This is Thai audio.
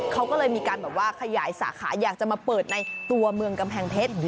เขาก็เลยมีการแบบว่าขยายสาขาอยากจะมาเปิดในตัวเมืองกำแพงเพชร